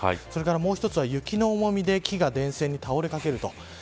それから、もう一つは雪の重みで気が電線に倒れかかる。